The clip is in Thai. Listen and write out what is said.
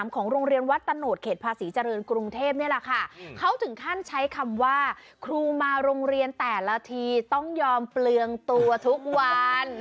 ของโรงเรียนวัดตะโหดเขตภาษีเจริญกรุงเทพนี่แหละค่ะเขาถึงขั้นใช้คำว่าครูมาโรงเรียนแต่ละทีต้องยอมเปลืองตัวทุกวัน